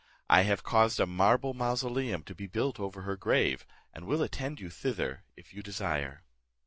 I have caused a marble mausoleum to be built over her grave, and will attend you thither if you desire."